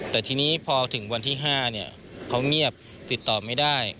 แต่ทีนี้พอถึงวันที่๕เขาเงียบติดต่อไม่ได้